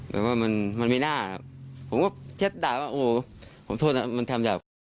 แต่ว่ามันไม่น่าครับผมก็แค่ด่าว่าโอ้วผมโทษนะมันทำแบบ